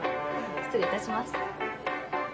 失礼いたします。